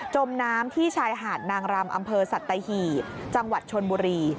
มน้ำที่ชายหาดนางรำอำเภอสัตหีบจังหวัดชนบุรี